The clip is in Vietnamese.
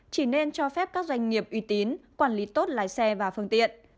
chỉ nên cho phép các doanh nghiệp uy tín quản lý tốt lái xe và phương tiện